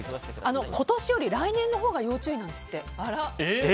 今年より来年のほうが要注意なんですって。